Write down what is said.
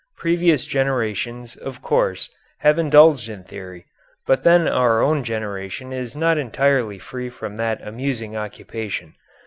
Previous generations, of course, have indulged in theory, but then our own generation is not entirely free from that amusing occupation.